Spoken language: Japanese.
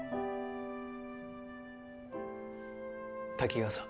滝川さん。